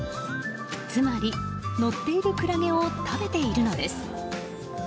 つまり、乗っているクラゲを食べているのです。